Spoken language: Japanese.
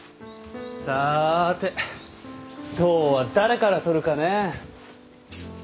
さて痘は誰からとるかね。